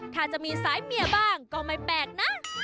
ถ้าจะมีสายเมียบ้างก็ไม่แปลกนะ